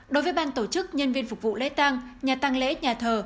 đối với ban tổ chức nhân viên phục vụ lễ tăng nhà tăng lễ nhà thờ